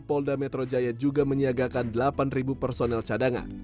polda metro jaya juga menyiagakan delapan personel cadangan